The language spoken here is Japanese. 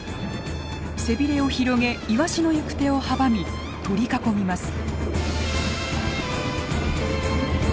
背びれを広げイワシの行く手を阻み取り囲みます。